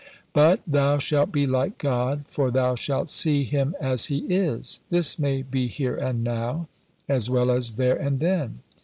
But "thou shalt be like God for thou shalt see Him as He is": this may be here and now, as well as there and then.